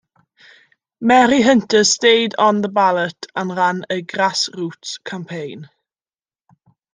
Mary Hunter stayed on the ballot and ran a grassroots campaign.